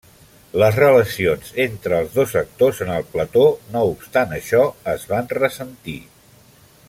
Les relacions entre els dos actors en el plató, no obstant això, es van ressentir.